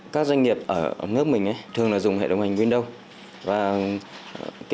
các doanh nghiệp ở nước mình thường dùng hệ đồng hành windows